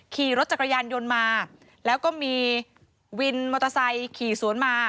ขี่รถจักรยานยนต์มาแล้วก็มีวินมอเตอร์ไซค์ขี่สวนมา